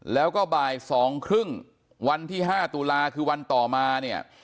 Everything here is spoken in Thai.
แล้วก็บ่าย๒๓๐วันที่๕ตุลาคือวันต่อมาเนี่ย